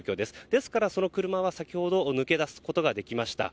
ですから車は先ほど抜け出すことができました。